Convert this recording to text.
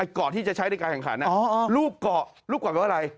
ไอ้เกาะที่จะใช้ในการแข่งขันน่ะลูบเกาะมันก็อะไร